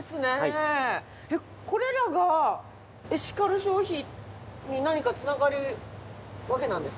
これらがエシカル消費に何か繋がるわけなんですか？